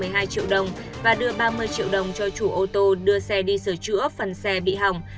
một mươi hai triệu đồng và đưa ba mươi triệu đồng cho chủ ô tô đưa xe đi sửa chữa phần xe bị hỏng